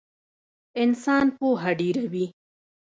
انسان پوهه ډېروي